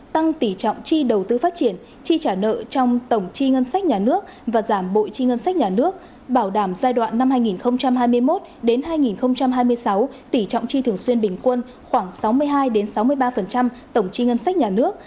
tăng tỷ trọng chi đầu tư phát triển chi trả nợ trong tổng chi ngân sách nhà nước và giảm bội chi ngân sách nhà nước bảo đảm giai đoạn năm hai nghìn hai mươi một hai nghìn hai mươi sáu tỷ trọng chi thường xuyên bình quân khoảng sáu mươi hai sáu mươi ba tổng chi ngân sách nhà nước